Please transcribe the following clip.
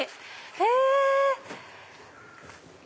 へぇ！